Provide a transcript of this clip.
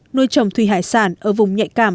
nuôi trồng thùy hải sản ở vùng nhạy cảm